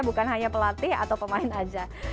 bukan hanya pelatih atau pemain aja